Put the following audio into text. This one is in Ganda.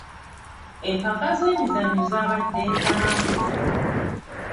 Empaka z'emizannyo zaabadde ntabangufu.